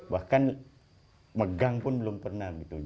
bahkan megang pun belum pernah gitu